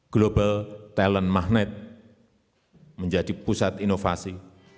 global talent magnet menjadi pusat inovasi